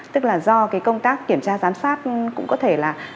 tức là do cái công tác kiểm tra giám sát cũng có thể là